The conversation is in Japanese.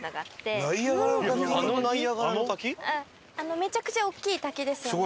めちゃくちゃ大きい滝ですよね。